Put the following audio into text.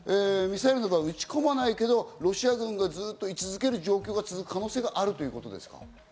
ミサイルなどは撃ち込まないけど、ロシア軍がずっと居続ける状況が続く可能性があるということですか？